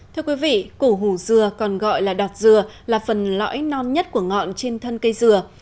thưa quý vị củ hủ dừa còn gọi là đọt dừa là phần lõi non nhất của ngọn trên thân cây dừa